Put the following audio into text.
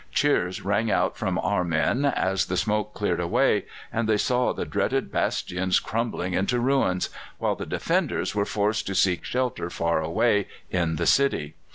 Cheers rang out from our men as the smoke cleared away, and they saw the dreaded bastions crumbling into ruins, while the defenders were forced to seek shelter far away in the city.